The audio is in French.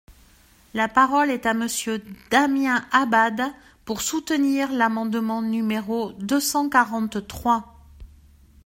La parole est à Monsieur Damien Abad, pour soutenir l’amendement numéro deux cent quarante-trois.